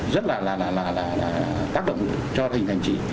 rất là tác động cho hình thành trí